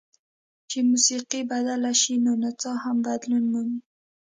چې موسیقي بدله شي نو نڅا هم بدلون مومي.